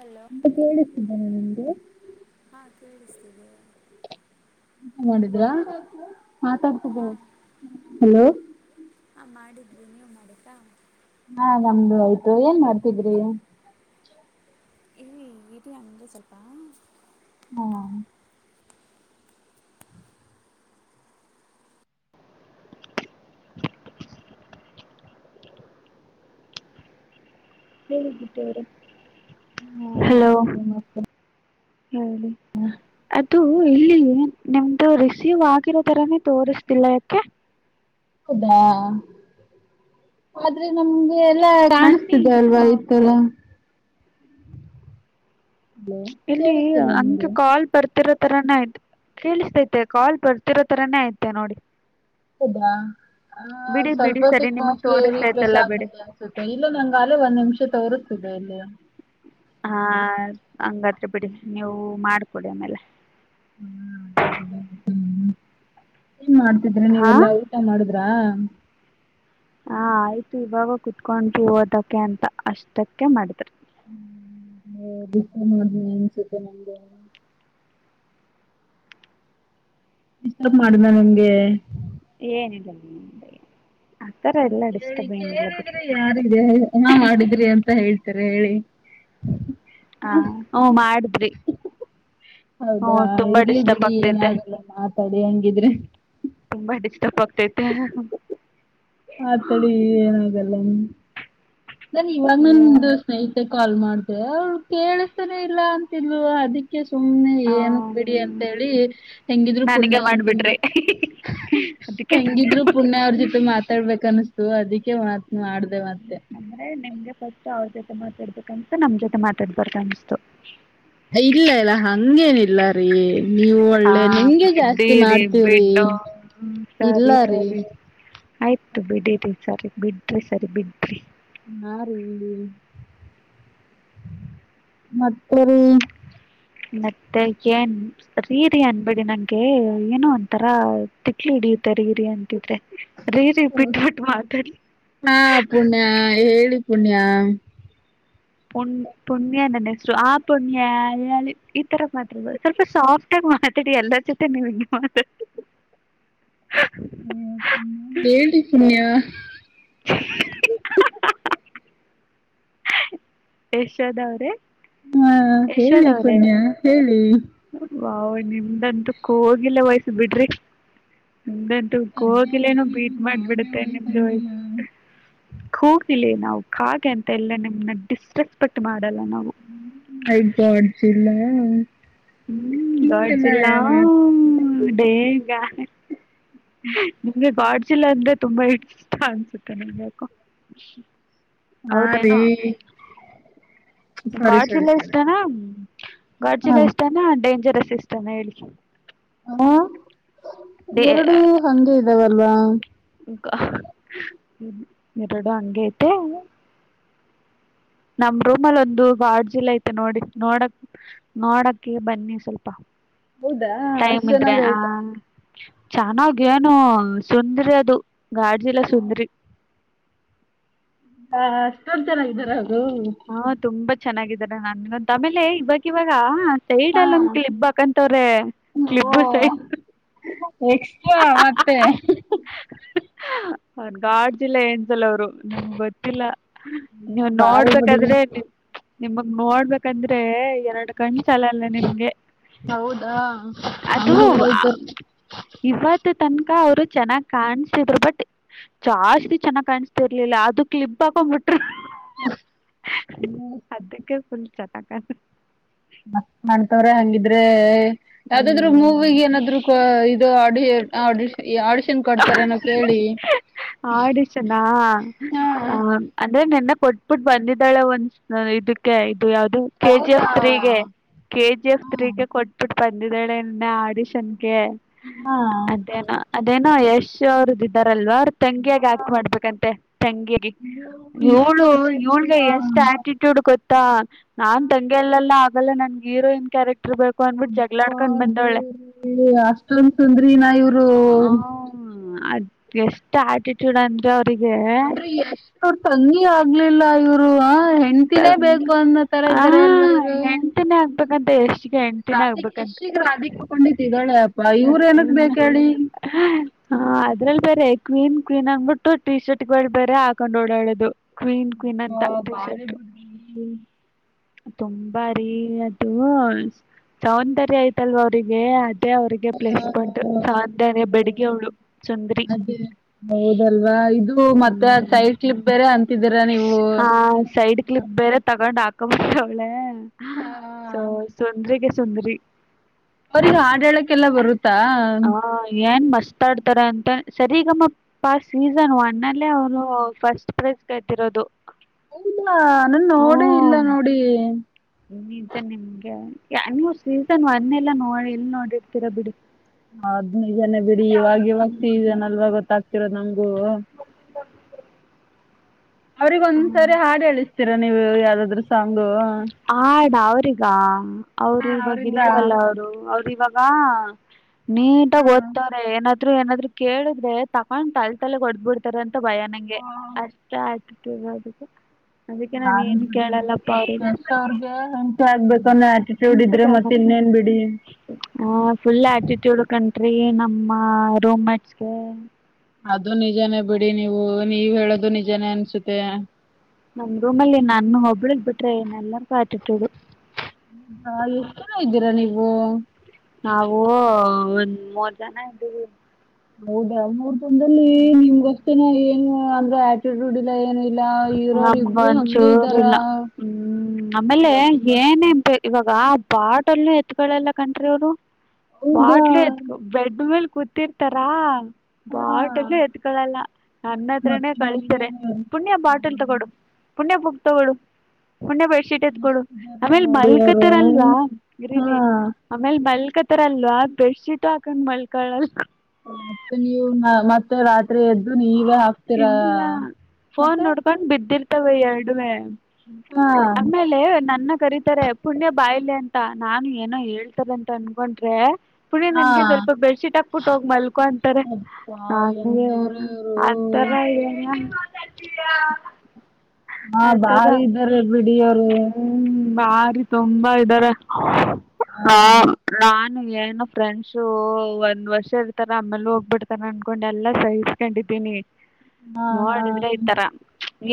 Hello ಕೇಳಿಸಿದ್ದ ನಂದು ಹಾ ಕೇಳಿಸ್ತೀವಿ ಮಾಡಿದ್ರಾ ಮಾತಾಡ್ತಿದ್ದ ಹಲೋ ಹಾ ಮಾಡಿದ್ವಿ ನೀವು ಮಾಡತ್ತಾ ಹಾ ನಮ್ದು ಆಯ್ತು ಏನ್ ಮಾಡ್ತಿದ್ರಿ ಇಲ್ಲಿ ಇರೀ ಅಂದರೆ ಸ್ವಲ್ಪ ಹ್ಮ ಹೇಳಬಿಟ್ಟವ್ರ ಹಾ ಹಲೋ ಹೇಗೆ ಮತ್ತೆ ಹೇಳಿ ಅದು ಇಲ್ಲಿ ನಿಮ್ದು ರಿಸೀವ್ ಆಗಿರೋ ತರಾನೇ ತೋರಿಸ್ತಿಲ್ಲ ಯಾಕೆ ಹೌದಾ ಆದ್ರೆ ನಮ್ಗೆ ಎಲ್ಲಾ ಬನ್ನಿ ಕಾಣಿಸ್ತಿದೆ ಅಲ್ವಾ ಆ, ಇ ತರಾ ಹಲೋ ಇಲ್ಲಿ ಹಂಗೆ ಕಾಲ್ ಬರ್ ತಿರೋ ತರಾನೇ ಆಯ್ತ್ ಕೇಳಿಸ್ತೈತೆ ಕಾಲ್ ಬರ್ತಿರೋ ತರಾನೇ ಐತೆ ನೋಡಿ ಹೌದಾ ಬಿಡಿ ಬಿಡಿ ಸರಿ ಸ್ವಲ್ಪೊತ್ತಗ ನಿಮಗ್ ಮೋಸ್ಟಲಿ ಇರಿ ರಿಫ್ರೆಶ್ ತೋರಿಸ್ತೈತಲ್ಲ ಆಗ್ಲಿ ಬಿಡಿ ಇಲ್ಲ ನಂಗ್ಗ ಅಲೇ ಒಂದ್ ನಿಮಿಷ ತೋರಿಸ್ತಿದೆ ಇಲ್ಲಿ ಹಾ ಹಂಗಾದ ಬಿಡಿ ನೀವು ಮಾಡ್ಕೊಡಿ ಆಮೇಲೆ ಹ್ಮ್ಮ ಏನ್ ಮಾಡ್ತಿದ್ರಿ ಹಾ ನೀವೆಲ್ಲ ಊಟಾ ಮಾಡಿದ್ರಾ ಹಾ ಆಯ್ತು ಇವಾಗ ಕುತ್ಕೊಂಡು ಓದಕ್ಕೆ ಅಂತ ಅಷ್ಟಕ್ಕೆ ಮಾಡಿದ್ರಿ [unintelligible] ಡಿಸ್ಟರ್ಬ್ ಮಾಡ್ದ ನಿಮ್ಗೆ ಏನಿಲ್ಲ ಆತರ ಎಲ್ಲ ಡಿಸ್ಟರ್ಬ್ ಏನಿಲ್ಲ ಬಿಡಿ ಯಾರ ಹಾ ಮಾಡಿದ್ರಿ ಅಂತ ಹೇಳ್ತಾರೆ ಹೇಳಿ ಹ ಹ್ಮ ಮಾಡಿದ್ರಿ ಹ್ಮ ಹೌದಾ ತುಂಬಾ ಇರ್ಲಿ ಡಿಸ್ಟರ್ಬ್ ಬಿಡಿ ಆಗ್ತೈತೆ ಏನಾಗಲ್ಲ ಮಾತಾಡಿ ಹಂಗಿದ್ರೆ ತುಂಬಾ ಡಿಸ್ಟರ್ಬ್ ಆಗ್ತತೆ ಆತಡಿ ಏನಾಗಲ್ಲ ನ ಇವಾಗ ನಂದು ಸ್ನೇಹಿತ ಮತ್ತೆ ಕಾಲ್ ಮಾಡ್ತ ಅವ್ಳ ಕೇಳಿಸ್ತಾನೇ ಇಲ್ಲ ಅಂತಿಲ್ವ ಅದಕ್ಕೆ ಸುಮ್ನೆ ಏನು ಬಿಡಿ ಅಂತ ಹೇಳಿ ಹೆಂಗಿದ್ರು ನನಗೆ ಪುಣ್ಯ ಅವ್ರ್ದುಂಗ ಮಾಡ್ಬಿಟ್ರಿ ಅದಕ್ಕೆ ಹೆಂಗಿದ್ರು ಪುಣ್ಯ ಅವ್ರ ಜೊತೆ ಮಾತಾಡ್ಬೇಕ ಅನ್ಸ್ತು ಅದಕ್ಕೆ ಮಾತ್ ಮಾಡ್ದ ಮತ್ತೆ ನಿಮ್ಗೆ ಫಸ್ಟ್ ಅವ್ರ ಜೊತೆ ಮಾತಾಡ್ಬೇಕ ಅನ್ತು ನಮ್ ಜೊತೆ ಮಾತಾಡ್ಬೇಕು ಅನ್ನಿಸಿತು ಇಲ್ಲ ಇಲ್ಲ ಹಂಗೇನಿಲ್ಲ ರೀ ನೀವು ಹಾ ಒಳ್ಳೆ ನಿಂಗೆ ಜಾಸ್ತಿ ಬಿಡ್ಡಿರಿ ಮಾಡ್ತೀವ್ರಿ ಬಿಡ್ ಇಲ್ಲ ಸರಿ ರೀ ಸರಿ ಆಯ್ತು ಬಿಡಿರಿ ಸರಿ ಬಿಡ್ರರಿ ಸರಿ ಬಿಡ್ರರಿ ನ ರೀ ಮತ್ತಿರಿ. ಮತ್ತೆ ಏನ್? ರೀ ರಿ ಅನ್ಬೇಡಿ ನಂಗೆ ಏನೊ ಒಂತರ ತಿಕ್ಲ್ ಹಿಡಿಯುತ್ತೆರೀ. ರಿ ರಿ ಅಂತಿದ್ರೆ ರೀ ಬಿಟ್ಬಿಟ್ಟ್ ಮಾತಾಡಿ. ಹಾ ಪುಣ್ಯ ಹೇಳಿ ಪುಣ್ಯ. ಪು ಪುಣ್ಯ ನನ್ ಹೆಸ್ರು ಆ ಪುಣ್ಯ ಈ ತರ ಮಾತ್ರ ಸ್ವಲ್ಪ ಸಾಫ್ಟ್ ಗ್ ಮಾತಾಡಿ ಎಲ್ಲರ ಜೊತೆ ನೀಮ್ ಮಾತ ಹು ಹೇಳಿ ಪುಣ್ಯ. ಹ [inaudible] ಯಶೋದ ಅವ್ರೆ. ಹಾ ಹೇಳಿ ಪುಣ್ಯ ಹೇಳಿ. ವಾವ್ ನಿಮ್ದಂತು ಕ ಕೋಗಿಲೆ ವಾಯ್ಸು ಬಿಡ್ರಿ. ನಿಮ್ದಂತು ಅದ್ಯಾ ರೀ ಕೋಗಿಲೇನು ನೀವು ಬೀಟ್ ಕಾಗೆ ಮಾಡ್ಬಿಡುತ್ತೆ ನಿಮ್ದು. ವಯಸ್ಸಂಗಿಲ್ಲ ಕೋಗಿಲೆ ನಾವು ಕಾಗೆ ಅಂತ ಎಲ್ಲ ನಿಮ್ನ ಡಿಸ್ರೆಸ್ಪೆಕ್ಟ್ ಮಾಡಲ್ಲ ನಾವು. ಹೈ ಗಡ್ಜಿಲ್ಲಾ. ಹ್ಮ್ ಗಡ್ಜಿಲಾ ಮಾತ್ ಡೇಗ ನಿಮ್ಗೆ ಗಾಡ್ಜಿಲ್ಲ ಅಂದ್ರೆ ತುಂಬಾ ಇಷ್ಟ ಅನ್ಸುತ್ತೆ [unintelligible] ಅ ಹಾ ರೀ. ಸರಿ ಸರಿ ಗಾಡ್ಜಿಲ್ಲ ಸರಿ ಇಷ್ಟಾನ ಹಾ ಗಾಡ್ಜಿಲ್ಲ ಇಷ್ಟ ನಾ ಡೇಂಜರಸ್ ಇಷ್ಟಾನಾ ಹೇಳಿ. ಹ ಡೇ ಎರಡು ಹಂಗೆ ಇದಾವಲ್ವಾ. ಗಾಡ್ ಎರಡು ಹಂಗೆ ಐತೆ. ನಮ್ ರೂಮಲ್ಲಿ ಒಂದು ಗಾಡ್ಜಿಲ್ಲ ಐತೆ. ನೋಡಿ ನೋಡಕ್ ನೋಡಕ್ಕೆ ಬನ್ನಿ ಸ್ವಲ್ಪ. ಹೌದಾ ಅಷ್ಟ್ ಟೈಮಿದ್ರೆ ಆ. ಚೆನ್ನಾಗಯ್ತಾ ಚೆನ್ನಾಗ್ ಏನೊ ಸುಂದ್ರಿ ಅದು ಗಾಡ್ಜಿಲ್ಲಾ ಸುಂದ್ರಿ. ಹಾ ಅಷ್ಟೊಂದು ಚೆನ್ನಾಗಿದ್ದಾರಾ ಅದು. ಹಾ ತುಂಬಾ ಚೆನ್ನಾಗಿದ್ದಾನೆ ನನ್ಗಂತು ಆಮೇಲೆ ಇವಾಗ ಇವಾಗಿವಾಗ ಹಾ ಸೈಡಲ್ಲ್ ಒಂದ್ ಕ್ಲಿಬ್ ಹಾಕಂತವ್ರೆ ಕ್ಲಿಬ್ ಓ ಸೈಡ್ ಎಕ್ಸ್ಟ್ರಾ ಮತ್ತೆ. ಅವರ್ ಗಾಡ್ಜಿಲ್ಲ ಏಂಜೆಲ್ ಅವ್ರು. ನಿಮ್ ಗೊತ್ತಿಲ್ಲ ನೀನ ನೀವ್ ಬಾರಿ ಬಿಡಿ ನೋಡ್ಬೇಕಾದ್ರೆ ನೀ ನಿಮಗ್ ನೋಡ್ಬೇಕಂದ್ರೆ ಎರಡ್ ಕಣ್ಸಾಲಲ್ವ ನಿಮ್ಗೆ ಹೌದಾ ಅದೂ ಹಂಗೆಲ್ಲ ಇದ್ದೋರ್ ಇವತ್ತು ತನಕ ಅವ್ರು ಚೆನ್ನಾಗ್ ಕಾಣಸಿದ್ರು ಬಟ್ ಜಾಸ್ತಿ ಚೆನ್ನಾಗ್ ಕಾಣಸ್ತಿರ್ಲಿಲ್ಲ ಅದು ಕ್ಲಿಬ್ ಹಾಕೊಂಬಿಟ್ರ ಅದಕ್ಕೆ ಫುಲ್ ಚಟಕ ಮ ನನ್ತರ ಹಂಗಿದ್ರೆ ಯಾವ್ದಾದ್ರು ಮೂವಿಗೇನಾದ್ರು ಇದು ಆಡಿಯ್ ಆಡಿ ಆಡಿಷನ್ ಕೊಡ್ತಾರೆನೋ ಕೇಳಿ. ಆಡಿಷನ್ನಾ ಹಾ ಹ ಅಂದ್ರೆ ನಿನ್ನೆ ಕೊಟ್ಬಿಟ್ಟ್ ಬಂದಿದ್ದಾಳೆ ಒಂದ್ ಇದಕ್ಕೆ ಇದು ಯಾವ್ದು ಕೆ ಜಿ ಹೌದಾ ಎಫ್ ತ್ರೀಗೆ ಕೆ ಜಿ ಎಫ್ ತ್ರೀಗೆ ಹಾ ಕೊಟ್ ಕೊಟ್ಬಿಟ್ಟ್ ಬಂದಿದ್ದಾಳೆ ನಿನ್ನೆ ಆಡಿಷನ್ಗೆ. ಹಾ ಅದೇನೋ ಅದೇನೋ ಯಶ್ ಅವ್ರದ್ ಇದ್ದಾರಲ್ವಾ ತಂಗಿಯಾಗಿ ಆಕ್ಟ್ ಮಾಡ್ಬೇಕಂತೆ ತಂಗಿ ರಿ [inaudible] ಅಯ್ಯೋ ಇಷ್ಟ್ ಇವಳು ದೊಡ್ಡ ಆಕ್ಟಿಂಗ್ ಇವಳಗೇ ಎಷ್ಟ್ ಅಪ್ಪಾ ಆಟಿಟ್ಯೂಡ್ ಗೊತ್ತಾ? ನಾನ್ ತಂಗಿ ಅಲ್ಲಲ್ಲಾ ಆಗಲ್ಲ ನನ್ಗೆ ಹೀರೋಯನ್ ಕ್ಯಾರೆಕ್ಟರ್ ಬೇಕು ಅನ್ಬಿಟ್ಟು ಜಗಳಾಡ್ಕೊಂಡ್ ಬಂದವಳೆ. [inaudible] ಏ ಅಷ್ಟೊಂದ ಸುಂದ್ರಿ ನಾ ಇವು [inaudible] ಹ ಅದ್ ಎಷ್ಟ ಆಟಿಟ್ಯೂಡ್ ಅಂದ್ರೆ ಅವ್ರಿಗೆ? [inaudible] ಅಂದ್ರೆ ಎಷ್ಟ ಅವ್ರ ತಂಗಿ ಆಗ್ಲಿಲ್ಲ ಇವರುವ ಹೆಂ [inaudible] ಹೆಂಡತಿನೇಬೇಕು ಅನ್ನೋ ತರ ಹಾಂ ಇದ್ದಾರೆ ಅಲ್ವಾ ಇವರು ಹೆಂಡ್ತಿನೇ ಆಗ್ಬೇಕಂತ ಎಷ್ಟಿಗೆ [inaudible] ಹೆಂಡ್ತಿನೇ ರಾಧಿಕ ಆಗ್ಬೇಕಂತ ಯಶಗೆ ರಾಧಿಕೆ ಪಂಡಿತ್ ಇದ್ದಾಳೆ ಅಪ್ಪಾ ಇವ್ರ ಏನಕ್ ಬೇಕ ಹೇಳಿ. [inaudible] ಹ ಅದ್ರಲ್ಲಿ ಬೇರೆ ಕ್ವೀನ್ ಕ್ವೀನ್ ಅಂದ ಬಿಟ್ಟು ಟಿಶರ್ಟ್ಗಳು ಬರ ಹಾಕೊಂಡ್ ಓಡಾಡೋದು. [inaudible] ಕ್ವೀನ್ ಕ್ವೀನ್ ಅಂತ ಫೆಷೆಲ್ [inaudible] ಹೂ [inaudible] ತುಂಬ ರೀ ಅದು ಸೌಂದರ್ಯ ಆಯ್ತ ಅಲ್ವಾ ಅವ್ರಿಗೆ ಅ [inaudible] ಮತ್ತೆ ಅವ್ರಿಗೆ ಪ್ಲೇಸ್ ಪಾಯಿಂಟ್ ಸೌಂದರ್ಯ ಬೆಡಿಗೆ ಅವ್ಳು ಸುಂದರಿ. [inaudible] ಹೌದ ಅಲ್ವಾ ಇದು ಮತ್ತೆ ಹ್ಮ್ ಸೈಡ್ ಕ್ಲಿಪ್ ಬೇರೆ ಅಂ [inaudible] ಹಾ ಸೈಡ್ ಕ್ಲಿಪ್ ಬೇರೆ ತಗೊಂಡ್ ಹಾಕೊಂಡ ಬಿಟವಳೇ [inaudible] ಹ ಹ [inaudible] ಸೊ ಸುಂದ್ರಿಗೆ ಸುಂದರಿ. [inaudible] ಅವರಿಗ ಹಾಡಹೇಳಕ್ಕೆಲ್ಲ ಬರುತ್ತಾ? [inaudible] ಹಾ ಏನ್ ಮಶ್ [inaudible] ಮಾತಾಡ್ತಾರೆ ಅಂತ ಸರಿಗಮ್ಮ ಪ ಸೀಸನ್ ಒನ್ ಅಲ್ಲೇ ಅವರು ಫಸ್ಟ್ ಪ್ರೈಸ್ [inaudible] ಗೆದ್ದಿರೋದು. [inaudible] ಇಲ್ಲ ನಾನ ನೋಡೇ ಇಲ್ಲ ನೋಡಿ. [inaudible] ನಿಂತೇ ನಿಂತೇ ಏನೋ ಸೀಸನ್ ಒನ್ನೆಲ್ಲಾ ನೋಡಿ ಎಲ್ ನೋಡಿರ್ತೀರಾ ಬಿಡಿ. [inaudible] ಅದ್ನಜನ ಬಿಡಿ ಇವಾಗ ಇವಾಗ ಹ್ಮ್. ಸೀಜ್ನ ಅಲ್ವ ಗೊತ್ತಾಗ್ತಿರೋ ನಮಗೂ [inaudible] ಅವರಿಗ ಹ್ಮ್. ಒಂದ್ಸರಿ ಹಾಡು ಎಳಿಸ್ತೀರಾ ನೀವು ಯಾವ್ದಾದ್ರರು ಸಾಂಗು? [inaudible] ಹಾಡ ಅವ್ರಿಗ ಅವರು ಇವಾಗ ಇಲ್ವಲ್ಲ ಅವ್ರು ಅವರು ಇವಾಗ [inaudible] ಬಾ ನೀಟಾಗ ಅವರಿಂದ ಓದ್ತವಾರೆ ಏನ [inaudible] ಆದ್ರು ಏನಾದ್ರು ಕೇಳಿದ್ರೆ ತಕೊಂಡ್ ತಲೆ ತಲೆ ಹೊಡದ ಬಿಡ್ತಾರ ಅಂತ ಭಯ ನಂಗೆ ಅಷ್ಟ ಅ [inaudible] ಇವಾಗ ಇದು ಅದಕ್ಕೆ ನಾನು ಏನ್ ಕೇಳಲ್ಲಪ್ಪ ಅವರಿನ [inaudible] ಅವರ್ಗೆ? [inaudible] ಆಗ್ಬೇಕು ಅನ್ನೋ ಆಟಿಟ್ಯೂಡ್ ನಿನ್ನ ಇದ್ರೆ ಮತ್ತೆ ಬಗ್ಗೆ ಇನ್ನೇನ್ ಬಿಡಿ. [inaudible] ತಿಳ್ಕಂಟ್ರಿ ನಮ್ಮ ರೂಮ್ ಮೆಟ್ಸ [inaudible] ಅದು ನಿಜಾನೇ ಬಿಡಿ ನೀವು ನೀವ್ ಹೇಳೋದು ನಿಜಾನೇ ಅನ್ಸುತ್ತೆ. [inaudible] ನನ್ನ ರೂಮಲ್ಲಿ ನನ್ನ ಒಬ್ಬಳಗ್ ಬಿಟ್ರೆ ಏನ ಎಲ್ಲರಿಗೋ ಆಟಿಟ್ಯೂಡ್ [inaudible] ಕಾಲೀ ಎಷ್ಟು ಜನ ಇದ್ದೀರಾ ನೀವು? [inaudible] ನಾವು ಒಂದ್ ಮೂರ್ ಜನ ಇದ್ದೀವಿ. [inaudible] ಹೌದಾ ಮೂರ್ ಜದಲ್ಲಿ ಹ್ಞೂ ನಿಮ್ಗ ಅಷ್ಟೇನ ಏನು ಅಂದ್ರ ಆಟಿಟ್ಯೂ [inaudible] ಆಟಿಟ್ಯೂಡ್ ಇಲ್ಲ ಏನಿಲ್ಲ ಇರೋರು ನಮ್ಗ ಇಬ್ರು ಹಂಗೆ ಒಂಚೂರು ಇದ್ದಾರ? [inaudible] ಏನಅಂದರೆ ಇವಾಗ ಬಾಟಲ್ ಎತ್ಕೊಳ್ಳೆಲ್ಲ ಕನ್ರಿ ಅವರು ಹೌದಾ ಬಾಟ್ಲು ಎತ್ [inaudible] ಬೆಡ್ ಮೇಲೆ ಕೂತಿರ್ತಾರಾ? [inaudible] ಹಾ ಬಾಟಲ್ಲೂ ಎತ್ಕೊಳ್ಳಳಲ್ಲ ನನ್ನ ಹತ್ರನೇ ಮತ್ತೆ ನೀವೇ ಕಳಿಸಾರೆ. [inaudible] ಪುಣ್ಯ ಬಾಟಲ್ ನೋಡಿ ತೊಗೊಡು ಪುಣ್ಯ ಬುಕ್ ತೊಗೊಡು ಪುಣ್ಯ ಬೆಡ್ಶೀಟ್ [inaudible] ಎತ್ತ ಕೊಡು ಎಷ್ಟಿದ್ದಾರೆ ಆಮೇಲೆ ನೋಡಿ ಅವರು ಮಲ್ಕತರ ಅಲ್ವಾ? [inaudible] ಗ್ರಿರಿ ಹಾ ಆಮೇಲ್ ಮಲ್ಕತರ ಅಲ್ವಾ ಬೆಡ್ಶೀಟ್ ಹಾಕೊಂಡ್ ಮಲ್ಕಳಲ್ [inaudible] ಮತ್ತೆ ನೀವು ಮತ್ತೆ ರಾತ್ರಿ ಎದ್ದು ನೀವೇ ಹಾಕ್ತೀರಾ ಮತ್ತೆ? [inaudible] [unintelligible] ಬಿಟ್ಟಿರ್ತಾವೆ ಎರಡುವೇ. ಹಾ ಆಮೇಲೆ ನನ್ನ ಕರೀತಾರೆ ಪುಣ್ಯ ಬಾ ಇಲ್ಲಿ ಅಂತ ನಾನು ಏನೋ ಹೇಳ್ತರೆ ಅಂತ ಅನ್ಕೊಂಡ್ರೆ. ಪುಣಿ ಹಾ ನನ್ಗೆ ಸ್ವಲ್ಪ ಬೆಡ್ ಶೀಟ್ ಹಾಕ್ಬಿಟ್ಟ ಹೋಗಿ ಮಲ್ಕೊ ಅಂತಾರೆ ಅಬ್ಬಾ ನನಗೆ. ಎಂತವ್ರೆ ಇವ್ರು ಆತರ ಏನು. ಹಾ ಭಾರಿ ಇದ್ದಾರೆ ಬಿಡಿ ಅವ್ರು. ಹ್ಮ್ ಬಾರಿ ತುಂಬಾ ಇದಾರೆ. ಹಾ ನಾನು ಏನೋ ಫ್ರೆಂಡ್ಸು ಒಂದ್ ವರ್ಷ ಇರ್ತಾರೆ ಆಮೇಲ್ ಹೋಗ್ಬಿಡ್ತಾರ ಅನ್ಕೊಂಡು ಎಲ್ಲ ಸಹಿಸ್ಕೊಂಡು. ಇದೀನಿ. ಹಾ ಹಾ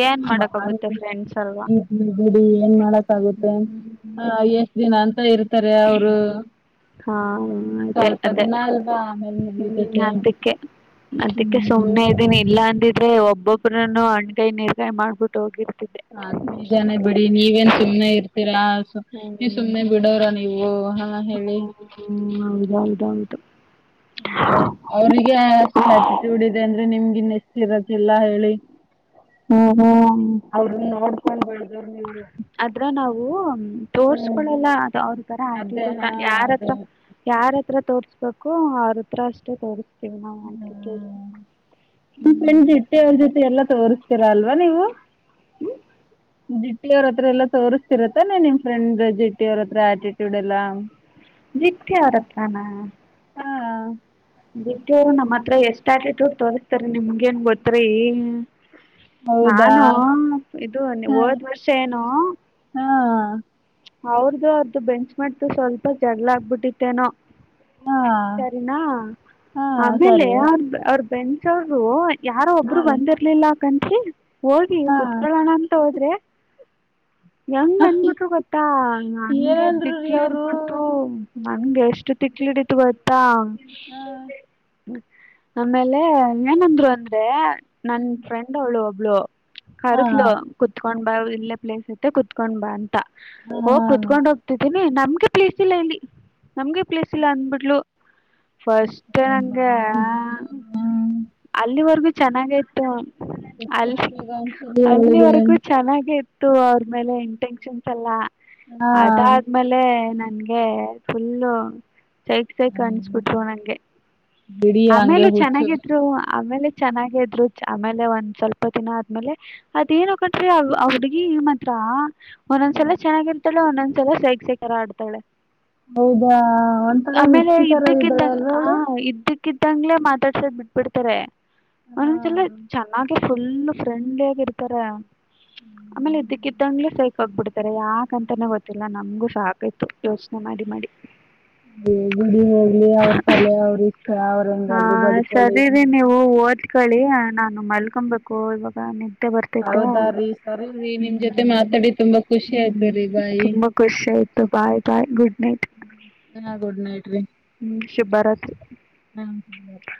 ಏನ್ ಬರೀ ಮಾಡಕ್ಗುತ್ತೆ ಫ್ರೆಂಡ್ಸ್ ಅಲ್ವಾ ಬಿಡಿ ಇರ್ಲಿ ಬಿಡಿ ಏನ್ ಮಾಡಕ್ಕ ಆಗುತ್ತೆ ಹಾಗೆ. ದಿನ ಅಂತ ಇರ್ತಾರೆ ಅವರು. ಹಾ ಅದೇ ಸ್ವಲ್ಪ ಅದೇ ದಿನ ಅಲ್ವಾ ಆಮೇಲ್ ಹ್ಮ್ ಮುಗಿತೈತೆ ಅದಿಕ್ಕೆ. ಅದಕ್ಕೆ ಹ್ಮ್ ಸುಮ್ನೆ ಇದೀನಿ ಇಲ್ಲ ಅಂದಿದ್ರೆ ಒಬ್ಬೊಬ್ರನು ಅಣಕಾಯಿ ನೀರ್ಕಾಯಿ ಮಾಡ್ಬಿಟ್ಟ ಹೋಗಿದ. ಅದ್ ನಿಜನೇ ಬಿಡಿ ನೀವೇನ್ ಸುಮ್ನೆ ಇರ್ತೀರಾ ನೀವ್ ಹ್ಮ್ ಸುಮ್ನೆ ಬಿಡೋರ ನೀವು. ನೀವು ಹಾ ಹೇಳಿ. ಹ್ಮ್ ಹೌದೌದೌದು. ಅವ್ರಿಗೆಷ್ಟು ಆಟಿಟ್ಯೂಡ್ ಇದೆ ಅಂದ್ರೆ ನಿಮ್ಗೆ ಇನ್ನೆಷ್ಟು ಇರದಿಲ್ಲ ಹೇಳಿ. ಹ್ಮ ಹ್ಮ ಅವ್ರ ನೀವು ನೋಡ್ಕೊಂಡ್ ಬೆಳದವ್ರು ನೀವು. ಅದ್ರ ನಾವು ಹ್ಮ್ ತೋರ್ಸ್ಕೊಳ್ಳಲ್ಲ ಅದು ಅವ್ರ ತರ ಅದೇ ಆಟಿಟ್ಯೂಡ್ ಹಾ ಅದೇ ಯಾರತ್ರ. ಯಾರ ಹತ್ರ ತೋಸಬೇಕು ಅವ್ರ ಹತ್ರ ಅಷ್ಟೇ ತೋರ್ಸ್. ಹ್ಮ್ [unintelligible] ಬೇರೆಯವರ ಜೊತೆ ಎಲ್ಲ ತೋಸು. ತೀರ ಅಲ್ವಾ ನೀವು. ಜಿಟ್ಟಿ ಅವ್ರ ಹತ್ರ ಎಲ್ಲಾ ತೋರಿಸಸ್ತಿರತ್ತಾನ ನಿಮ್ ಫ್ರೆಂಡ್ ಜಿಟ್ಟಿ ಅವ್ರ ಹತ್ರ ಆಟಿಟ್ಯೂಡ್ ಎಲ್ಲಾ. ಜಿಟ್ಟಿ ಅವರತ್ರಾನ. ಹಾ ಬಿಟ್ಟು ನಮ್ಮ್ ಹತ್ರ ಎಷ್ಟ್ ಆಟಿಟ್ಯೂಡ್ ತೋರಿಸತಾರ ನಿಮ್ಗೇನ್ ಗೊತ್ರಿ. ಹೌದಾ ನಾನು ಇದು ಹಾ ಹೋದ ವರ್ಷ ಏನು. ಹಾ ಅವ್ರ್ದ ಅವ್ರ ಬೆಂಚ್ ಮೆಟ್ದು ಸ್ವಲ್ಪ ಜಡ್ಗಳ ಆಗ್ಬಿಟ್ಟಿತ್ತೇನೋ. ಹಾ ಸರಿನಾ ಹಾ ಆಮೇಲೆ ಸರಿ ಅವ್ರ ಅವ್ರ ಬೆಂಚ್ ಅವ್ರು ಯಾರು ಹಾ ಒಬ್ರು ಬಂದಿರ್ಲಿಲ್ಲ [unintelligible] ಹೋಗಿ ಹಾ ಕುತ್ಕೊಳ್ಳೋಣ ಅಂತ ಹೋದ್ರೆ. ಹೆಂಗ ಅಂದಬಿಟ್ರು ಗೊತ್ತಾ ನನ್ಗೆ ಏನಂದ್ರು ರೀ ತಿಲ್ಕು ಅವ್ರು ಇಟ್ಬಿಟ್ಟು. ನನ್ಗೆ ಎಷ್ಟು ತಿಲ್ಕು ಈಡಿತು ಗೊತ್ತಾ. ಹಾ ಆಮೇಲೆ ಏನಂದ್ರು ಅಂದ್ರೆ ನನ್ ಫ್ರೆಂಡ್ ಅವಳು ಒಬ್ಳು. ಹಾ ಕರೆದ್ಲು ಕುೂತ್ಕೊಂಡ್ ಬಾ ಇಲ್ಲೇ ಪ್ಲೇಸ್ ಐತೆ ಕುೂತ್ಕೊಂಡ್ ಬಾ ಅಂತ. ಹಾ ಹೋಗ್ ಹಾ ಕುೂತ್ಕೊಂಡ್ ಹೋಗ್ತಿದ್ದೇನಿ ನಮ್ಗೆ ಪ್ಲೇಸ್ ಇಲ್ಲ ಇಲ್ಲಿ ನಮ್ಗೆ ಪ್ಲೇಸ್ ಇಲ್ಲ ಅಂದ್ಬಿಡ್ಲ. ಫಸ್ಟ್ ನಂಗೆ ಬಾರಿ ಅಲ್ಲಿವರ್ಗೂ ಚೆನ್ನಾಗೆ ಇತ್ತು. ಅಲ್ಲಿ ಪ್ರಸ್ತುತಿಗ ಅನ್ಸಲಿ ಅವಳಿಗೆ ಅಲ್ಲಿವರೆಗು ಚೆನ್ನಾಗೆ ಇತ್ತು ಅವ್ರ ಮೇಲೆ ಇಂಟೆನ್ಷನ್. ಹಾ ಅದಾದ್ಮೇಲೆ ನನ್ಗೆ ಫುಲ್ಲು. ಸೈಕ್ ಸೈಕ್ ಅನ್ಸ್ಬಿಟ್ರು ನಂಗೆ ಬಿಡಿ ಹಂಗೆ ಆಮೇಲೆ ಹುಚ್ಚು ಚೆನ್ನಾಗಿದ್ರು ಆಮೇಲೆ. ಚೆನ್ನಾಗೆ ಇದ್ರು ಆಮೇಲೆ ಒಂದ್ ಸ್ವಲ್ಪ ದಿನ ಆದ್ಮೇಲೆ. ಅದೇನೋ ಕಣ್ರೀ ಆ ಹುಡ್ಗಿ ಮಾತ್ರ. ಒಂದೊಂದ ಸಾಲ ಚೆನ್ನಾಗಿರ್ತಾಳೆ ಒಂದೊಂದ್ಸಲ ಸೈಸೆಕರ ಆಡ್ತಾಳೆ. ಹೌದಾ ಒಂಥರ [inaudible] ಆಮೇಲೆ ಹುಚ್ಚಿ ತರ ಇದ್ದಕ್ಕೆದ್ದ ಇದ್ದಾಳೆ ಅಲ್ವಾ ಅವಳು ಹ ಇದ್ದಕ್ಕ [inaudible] ಇದ್ದಕ್ಕಿದ್ದಂಗ್ಲೆೇ ಮಾತಾಡ್ಸದ್ ಬಿಟ್ಬಿಡ್ತಾರೆ ಒಂದಲ್ಲ ಚೆನ್ನಾಗಿ [inaudible] ಫುಲ್ ಫ್ರೆಂಡ್ಲಿ ಆಗ ಇರ್ತಾರೆ ಆಮೇಲೆ ಇದ್ದಕ್ಕತ್ತಂಗ್ಲೆೈ ಕೈ [inaudible] ಹೋಗಬಿಡ್ತಾರೆ ಯಾಕ ಅಂತಾನೆ ಗೊತ್ತಿಲ್ಲ ನಮಗು ಸಾಕ ಆಯಿತ್ತು ಯೋಚನೆ ಮಾಡಿ ಮಾಡಿ [inaudible] ದೇವಗಿರಿ ಅಲ್ಲಿ ಅವ್ರ ತಲೆ ಅವ್ರ ಇಷ್ಟ ಅವ್ರ ಹಾ ಹೆಂಗಾದ್ರು ಬದ್ಕೊಳಿ. ಸರಿ [inaudible] ರೀ ನೀವು ಓದಕೊಳ್ಳಿ ನಾನು ಮಲ್ಕೊಬೇಕು ಇವಾಗ [inaudible] ನಿದ್ದೆ ಬರ್ತೈತೇ ಹೂ ಹೌದಾ [inaudible] ರೀ ಸರಿ ರೀ ನಿಮ್ ನಿಮ್ ಜೊತೆ ಮಾತಾಡಿ ತುಂಬಾ ಖುಷಿ ಹೂ ಆಯ್ತು ರೀ ಬಾಯ್ ತುಂಬಾ ಖುಷಿ ಆಯ್ತು ಬಾಯ್ ಬಾಯ್ ಗುಡ್ ನೈಟ್. [inaudible] ಹಾ ಗುಡ್ ನೈಟ್ ರೀ. [inaudible] ಹೂ ಶುಬ್ಬ ರಾತ್ರಿ. [inaudible] ಹ [inaudible]